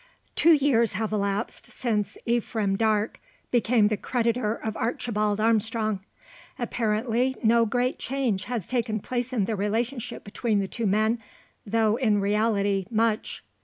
Two years have elapsed since Ephraim Darke became the creditor of Archibald Armstrong. Apparently, no great change has taken place in the relationship between the two men, though in reality much.